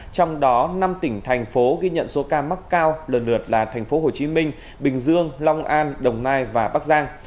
trong đó năm tỉnh thành phố ghi nhận số ca mắc cao lần lượt là thành phố hồ chí minh bình dương long an đồng nai và bắc giang